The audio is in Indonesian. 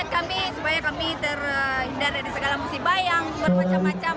kami supaya kami terhindar dari segala musibah yang bermacam macam